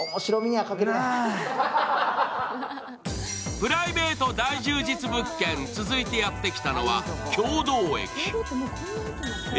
プライベート大充実物件、続いてやってきたのは経堂駅。